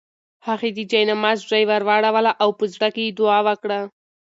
هغې د جاینماز ژۍ ورواړوله او په زړه کې یې دعا وکړه.